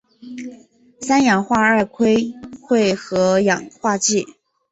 三氧化二砷会和氧化剂。